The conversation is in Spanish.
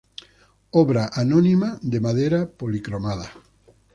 Obra anónima de madera policromada.